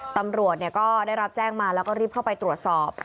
ตำรวจก็ได้รับแจ้งมาแล้วก็รีบเข้าไปตรวจสอบ